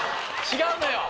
違うのよ。